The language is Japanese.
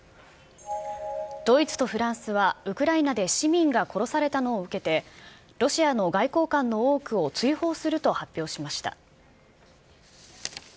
ドイツとフランスは、ウクライナで市民が殺されたのを受けて、ロシアの外交官の多くを追放すると発表しました。